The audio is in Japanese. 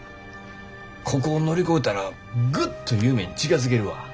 ここを乗り越えたらグッと夢に近づけるわ。